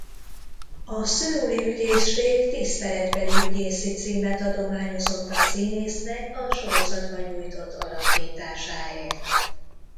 A szöuli ügyészség tiszteletbeli ügyészi címet adományozott a színésznek a sorozatban nyújtott alakításáért.